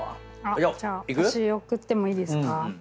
じゃあ私送ってもいいですか。